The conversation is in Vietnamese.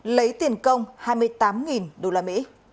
lấy tiền công hai mươi tám usd